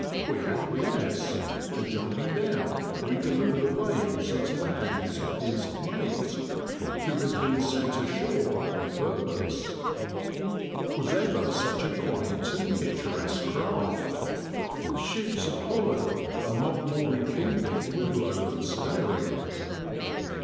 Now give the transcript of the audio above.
We acquiesce, and jumping down we deliver the reins into the hands of his ' mate,' who has been sent ashore on purpose. Was ever such a quaint and picturesque craft? The schuits of Holland are not more in keeping with lowland scenery.